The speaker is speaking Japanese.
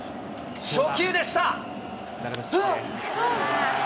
初球でした。